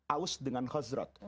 aws dengan khosrat